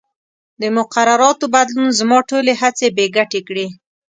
د مقرراتو بدلون زما ټولې هڅې بې ګټې کړې.